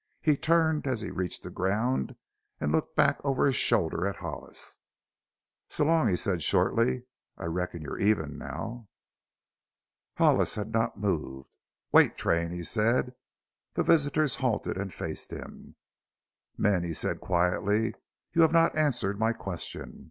He turned as he reached the ground and looked back over his shoulder at Hollis. "So long," he said shortly. "I reckon you're even now." Hollis had not moved. "Wait, Train!" he said. The visitors halted and faced him. "Men," he said quietly, "you have not answered my question.